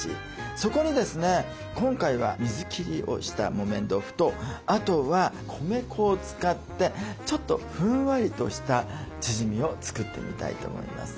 そこにですね今回は水切りをした木綿豆腐とあとは米粉を使ってちょっとふんわりとしたチヂミを作ってみたいと思います。